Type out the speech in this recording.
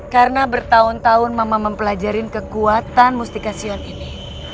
karena bertahun tahun mama mempelajari kekuatan mustikasion ini